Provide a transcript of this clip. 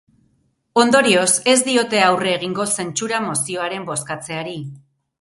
Ondorioz, ez diote aurre egingo zentsura-mozioaren bozkatzeari.